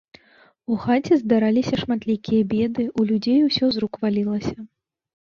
У хаце здараліся шматлікія беды, у людзей усё з рук валілася.